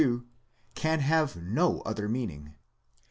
2, can have no other meaning.